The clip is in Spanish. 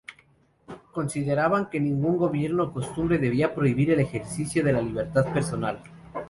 Consideraban que ningún gobierno o costumbre debía prohibir el ejercicio de la libertad personal.